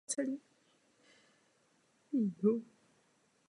Další vývoj ochrany dětí byl poznamenán změnou společenských podmínek.